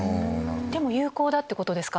でも有効ってことですか？